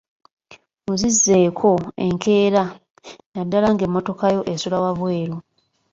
Muzizzeeko enkeera naddala ng'emmotokayo esula wabweru.